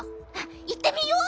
いってみよう！